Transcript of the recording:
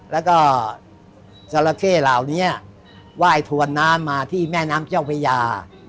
แล้วก็จราเข้เหล่านี้ไหว้ถวนน้ำมาที่แม่น้ำเจ้าพญา